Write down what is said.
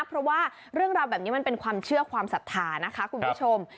เพราะว่าเรื่องราวแบบนี้มันเป็นความเชื่อความศรัทธานะคะคุณผู้ชม